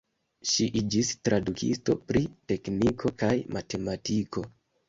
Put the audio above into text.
Ŝi iĝis tradukisto pri tekniko kaj matematiko.